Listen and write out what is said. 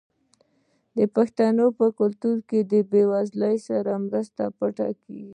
د پښتنو په کلتور کې د بې وزلو سره مرسته پټه کیږي.